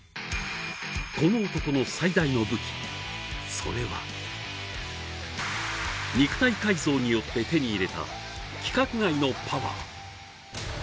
この男の最大の武器それは肉体改造によって手に入れた規格外のパワー。